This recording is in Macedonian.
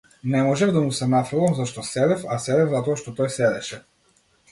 Не можев да му се нафрлам, зашто седев, а седев затоа што тој седеше.